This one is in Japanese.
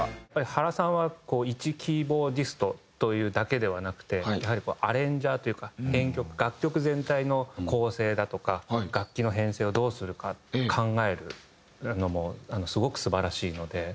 原さんはいちキーボーディストというだけではなくてやはりアレンジャーというか編曲楽曲全体の構成だとか楽器の編成をどうするか考えるのもすごく素晴らしいので。